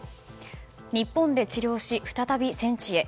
日本で治療し、再び戦地へ。